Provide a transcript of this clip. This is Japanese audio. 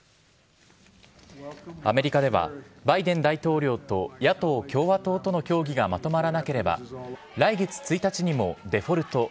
アメリカではバイデン大統領と野党・共和党との協議がまとまらなければ来月１日にもデフォルト＝